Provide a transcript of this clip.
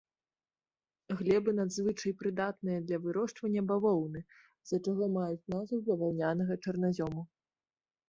Глебы надзвычай прыдатныя для вырошчвання бавоўны, з-за чаго маюць назву баваўнянага чарназёму.